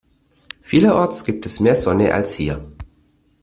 Vielerorts gibt es mehr Sonne als hier.